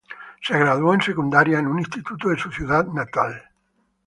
Se graduó en secundaria en un instituto de su ciudad natal.